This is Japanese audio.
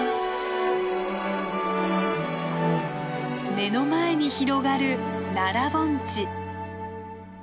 目の前に広がる奈良盆地。